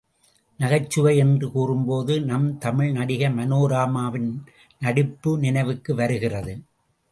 நகைச்சுவை என்று கூறும்போது நம் தமிழ் நடிகை மனோரமாவின் நடிப்பு நினைவுக்கு வருகிறது.